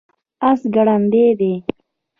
اس ګړندی دی